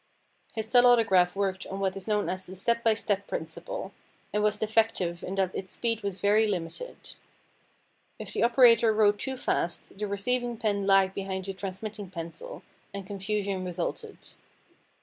His telautograph worked on what is known as the step by step principle, and was defective in that its speed was very limited. If the operator wrote too fast the receiving pen lagged behind the transmitting pencil, and confusion resulted.